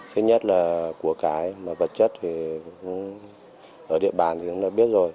thứ nhất là của cái mà vật chất thì cũng ở địa bàn thì cũng đã biết rồi